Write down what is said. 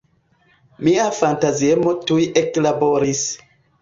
Mia fantaziemo tuj eklaboris.